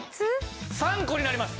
３個になります。